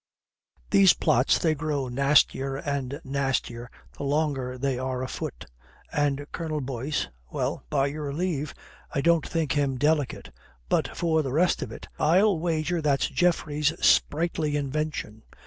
These plots, they grow nastier and nastier the longer they are afoot. And Colonel Boyce well, by your leave, I don't think him delicate. But for the rest of it, I'll wager that's Geoffrey's sprightly invention.